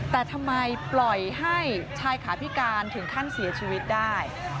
แต่ทำไมปล่อยให้ชายขาพิการถึงขั้นเสียชีวิตได้